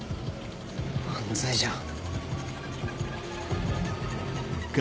犯罪じゃん。